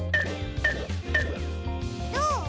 どう？